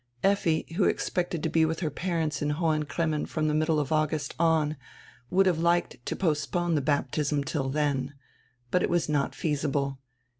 Effi, who expected to be with her parents in Hohen Cremmen from die middle of August on, would have liked to postpone die baptism till then. But it was not feasible.